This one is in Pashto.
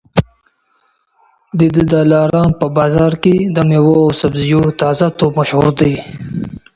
د دلارام په بازار کي د مېوو او سبزیو تازه توب مشهور دی.